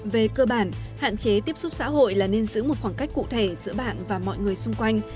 về cơ bản hạn chế tiếp xúc xã hội là nên giữ một khoảng cách cụ thể giữa bạn và mọi người xung quanh